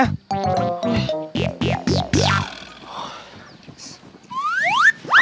ไอ้